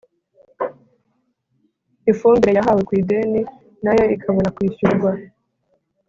ifumbire yahawe ku ideni, nayo ikabona kwishyurwa